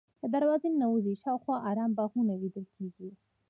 له دروازې ننوځې شاوخوا ارام باغونه لیدل کېږي.